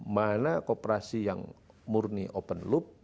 mana kooperasi yang murni open loop